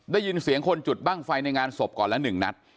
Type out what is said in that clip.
ได้ยินเสียงคนจุดบ้างไฟในงานศพก่อนละ๑นัด